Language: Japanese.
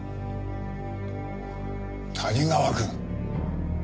谷川くん。